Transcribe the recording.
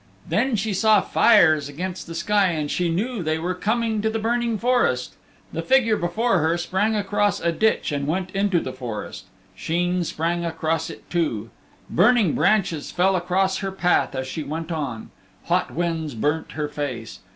Then she saw fires against the sky and she knew they were coming to the Burning Forest. The figure before her sprang across a ditch and went into the forest. Sheen sprang across it too. Burning branches fell across her path as she went on. Hot winds burnt her face.